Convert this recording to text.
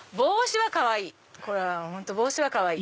帽子はかわいい！